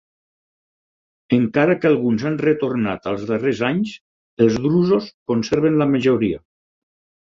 Encara que alguns han retornat als darrers anys els drusos conserven la majoria.